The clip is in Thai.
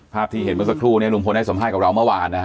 ที่เห็นเมื่อสักครู่เนี่ยลุงพลให้สัมภาษณ์กับเราเมื่อวานนะฮะ